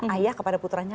ayah kepada putranya